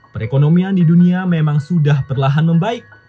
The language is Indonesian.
perekonomian di dunia memang sudah perlahan membaik